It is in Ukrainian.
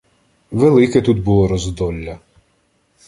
Велике тут було роздолля